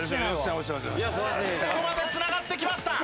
ここまで繋がってきました！